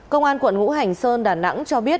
công an quận ngũ hành sơn đà nẵng cho biết